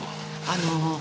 あの。